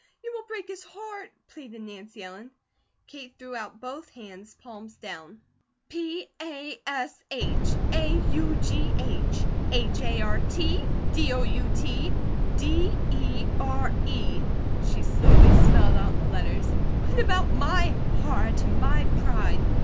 You will break his heart," pleaded Nancy Ellen. Kate threw out both hands, palms down. "P a s h, a u g h, h a r t, d o u t, d e r e," she slowly spelled out the letters. "What about my heart and my pride?